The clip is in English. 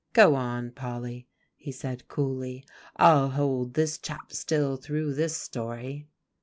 "Go on, Polly," he said coolly; "I'll hold this chap still through this story."